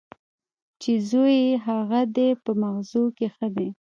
چې زوی یې هغه دی په مغزو کې ښه دی.